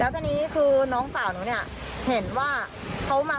คุณพ่อคุณว่าไง